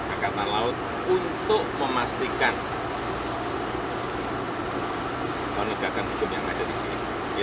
angkatan laut untuk memastikan penegakan hukum yang ada disini